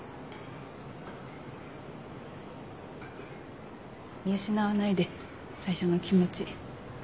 見失わないで最初の気持ち。